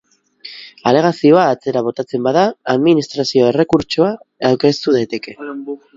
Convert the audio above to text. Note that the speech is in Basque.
Alegazioa atzera botatzen bada, administrazio-errekurtsoa aurkeztu daiteke.